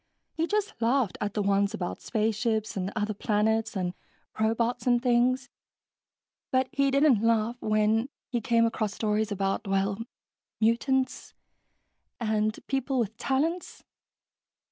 He just laughed at the ones about space ships and other planets and robots and things, but he didn't laugh when came across stories about ... well, mutants, and people with talents...."